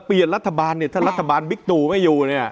เปลี่ยนรัฐบาลเนี่ยถ้ารัฐบาลบิ๊กตู่ไม่อยู่เนี่ย